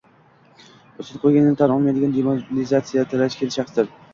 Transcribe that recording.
- ustun qo‘yganini tan olmaydigan demoralizatsiyalangan shaxsdir: